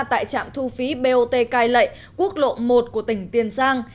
tại trạm thu phí bot cai lệ quốc lộ một của tỉnh tiền giang